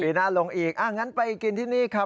หน้าลงอีกงั้นไปกินที่นี่ครับ